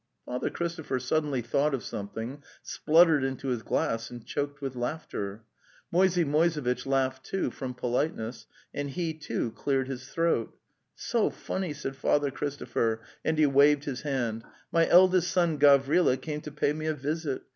Father Christopher suddenly thought of some thing, spluttered into his glass and choked with laughter. Moisey Moisevitch laughed, too, from politeness, and he, too, cleared his throat. '*So funny!" said Father Christopher, and he waved his hand. '' My eldest son Gavrila came to pay me a visit.